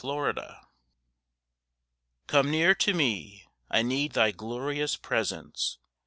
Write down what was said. COME NEAR Come near to me, I need Thy glorious presence.